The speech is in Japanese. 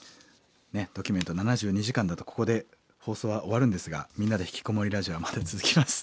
「ドキュメント７２時間」だとここで放送は終わるんですが「みんなでひきこもりラジオ」はまだ続きます。